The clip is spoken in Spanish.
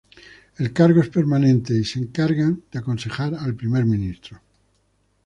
El cargo es permanente, y se encargan de aconsejar al Primer Ministro.